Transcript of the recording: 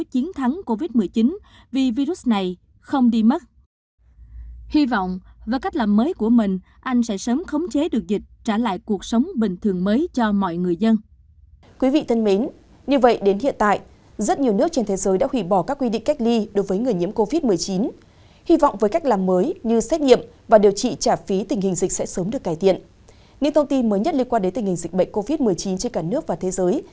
các tin mới nhất liên quan đến tình hình dịch bệnh covid một mươi chín trên cả nước và thế giới